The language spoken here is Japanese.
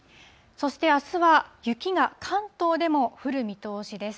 そしてあすは、雪が関東でも降る見通しです。